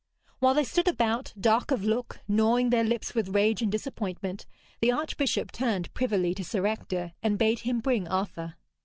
While they stood about, dark of look, gnawing their lips with rage and disappointment, the archbishop turned privily to Sir Ector and bade him bring Arthur.